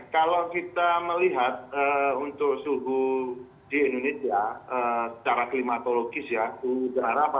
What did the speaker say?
kalau kita melihat untuk suhu di indonesia secara klimatologis ya suhu udara